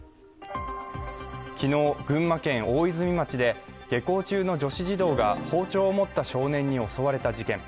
昨日、群馬県大泉町で下校中の女子児童が包丁を持った少年に襲われた事件。